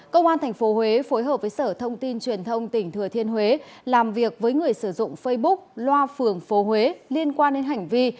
công an tp huế phối hợp với sở thông tin truyền thông tỉnh thừa thiên huế làm việc với người sử dụng facebook loa phường phố huế liên quan đến hành vi